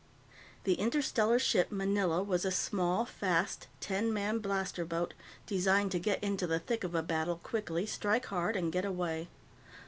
The Interstellar Ship Manila was a small, fast, ten man blaster boat, designed to get in to the thick of a battle quickly, strike hard, and get away.